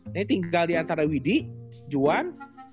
ini tinggal diantara widi juan